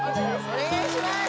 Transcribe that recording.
お願いします